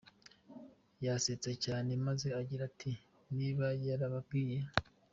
yasetse cyane maze agira ati, Niba yarababwiye.